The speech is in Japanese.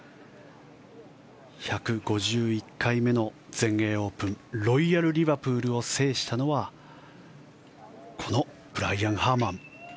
１５１回目の全英オープンロイヤル・リバプールを制したのはこのブライアン・ハーマン。